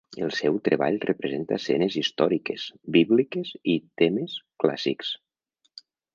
El seu treball representa escenes històriques, bíbliques i temes clàssics.